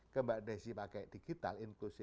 ke mbak desi pakai digital inklusi